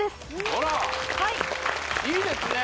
いいですね